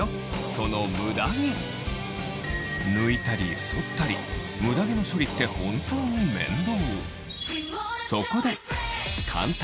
その抜いたり剃ったりムダ毛の処理って本当に面倒